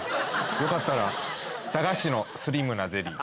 よかったら駄菓子のスリムなゼリー。